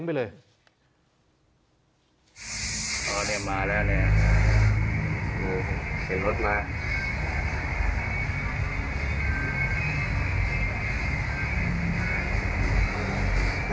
อ๋อเนี้ยมาแล้วเนี้ยอืมเสร็จรถมา